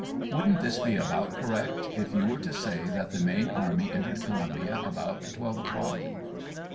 Wouldn't this be about correct if j'oa were to say that the main army entered Columbia about 12 o'clock?